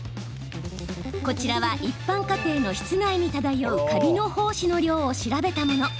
こちらは、一般家庭の室内に漂うカビの胞子の量を調べたもの。